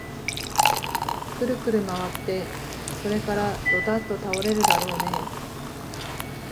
くるくるまわって、それからどたっと倒れるだろうねえ